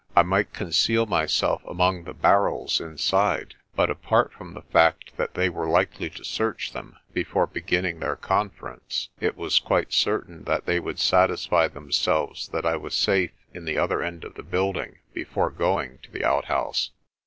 I might conceal myself among the barrels inside; but apart from the fact that they were likely to search them before beginning their confer ence, it was quite certain that they would satisfy themselves that I was safe in the other end of the building before going to the outhouse.